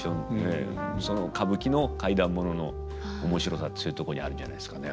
その歌舞伎の怪談物の面白さってそういうとこにあるんじゃないですかね